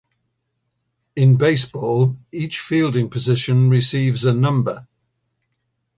In baseball, each fielding position receives a number.